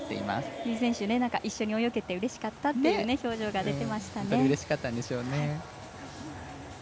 由井選手、一緒に泳げてうれしかったという表情が出てましたね。